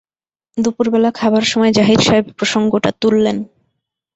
দুপুরবেলা খাবার সময় জাহিদ সাহেব প্রসঙ্গটা তুললেন।